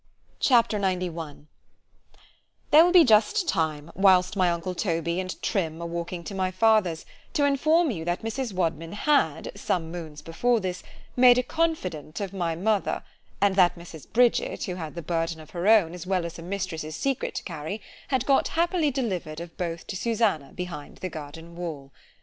C H A P. XCI THERE will be just time, whilst my uncle Toby and Trim are walking to my father's, to inform you that Mrs. Wadman had, some moons before this, made a confident of my mother; and that Mrs. Bridget, who had the burden of her own, as well as her mistress's secret to carry, had got happily delivered of both to Susannah behind the garden wall.